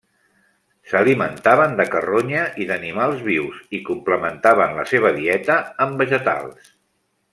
S'alimentaven de carronya i d'animals vius i complementaven la seva dieta amb vegetals.